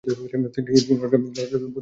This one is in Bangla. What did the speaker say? তিনি অনেকটা বন্দী জীবন কাটান।